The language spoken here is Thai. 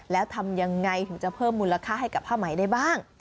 แล้วทำยังไงถึงจะเพิ่มมูลค่าให้กับผ้าไหมได้บ้าง